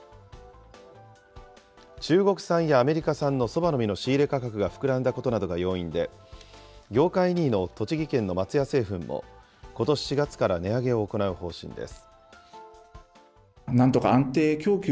中国産やアメリカ産のそばの実の仕入れ価格が膨らんだことなどが要因で、業界２位の栃木県の松屋製粉も、ことし４月から値上げを行う方針です。